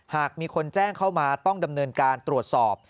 หากมีคนแจ้งเข้ามาต้องดำเนินการตรวจสอบ